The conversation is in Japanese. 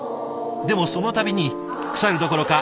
でもその度に腐るどころか